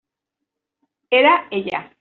Era ella.